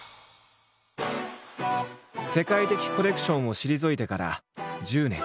世界的コレクションを退いてから１０年。